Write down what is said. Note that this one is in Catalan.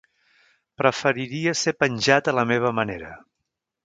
Preferiria ser penjat a la meva manera.